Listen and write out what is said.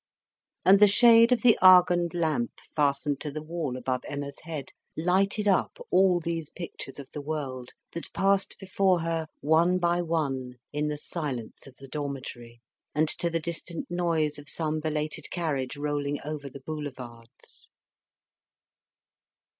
And the shade of the argand lamp fastened to the wall above Emma's head lighted up all these pictures of the world, that passed before her one by one in the silence of the dormitory, and to the distant noise of some belated carriage rolling over the Boulevards.